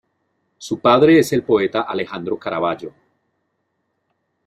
Su padre es el poeta Alejandro Caraballo.